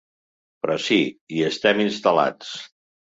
Però sí, hi estem instal·lats.